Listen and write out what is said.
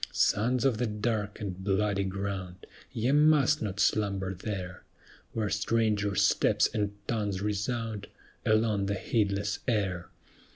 Sons of the Dark and Bloody ground, Ye must not slumber there, Where stranger steps and tongues resound Along the heedless air.